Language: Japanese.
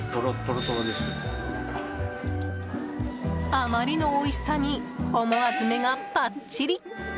あまりのおいしさに思わず目がパッチリ。